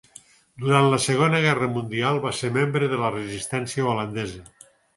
Durant la Segona Guerra Mundial va ser membre de la resistència holandesa.